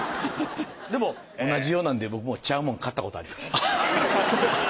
でも同じようなんで僕もちゃうもん買ったことあります。